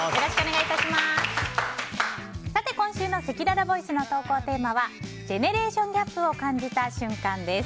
今週のせきららボイスの投稿テーマはジェネレーションギャップを感じた瞬間です。